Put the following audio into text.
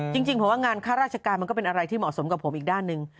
จริงผมว่างานค่าราชการมันก็เป็นอะไรที่เหมาะสมกับผมอีกด้านหนึ่ง